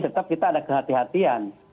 tetap kita ada kehatian